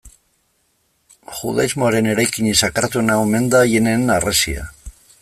Judaismoaren eraikinik sakratuena omen da Aieneen Harresia.